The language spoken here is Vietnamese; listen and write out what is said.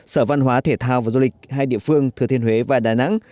sở văn hóa thể thao và du lịch hai địa phương thừa thiên huế và đà nẵng